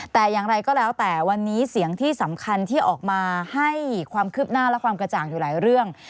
แต่อย่างไรก็แล้วแต่วันนี้เสียงที่สำคัญที่ออกมาให้ความคืบหน้าและความกระจ่างอยู่หลายเรื่อง